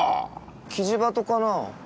キジバトかなぁ。